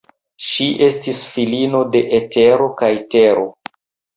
Ŝi estis filino de Etero kaj Tero.